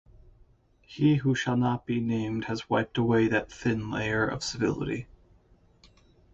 He who shall not be named has wiped away that thin layer of civility.